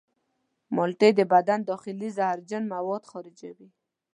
مالټې د بدن داخلي زهرجن مواد خارجوي.